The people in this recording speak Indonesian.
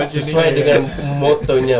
sesuai dengan motonya